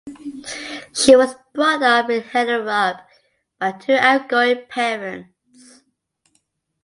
She was brought up in Hellerup by two outgoing parents.